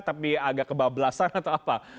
tapi agak kebablasan atau apa